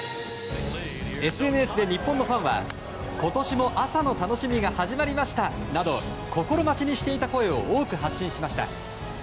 ＳＮＳで日本のファンは今年も朝の楽しみが始まりましたなど心待ちにしていた声を多く発信しました。